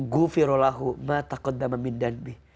gufiro lahu ma takodda memindanmi